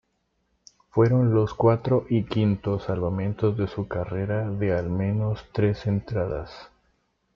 Fueron los cuarto y quinto salvamentos de su carrera de al menos tres entradas.